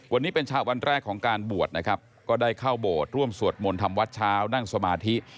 วันนี้เป็นวันแรกของการบวชนะครับก็ได้เข้าโบสถ์ร่วมสวดมนต์ทำวัดเช้านั่งสมาธิ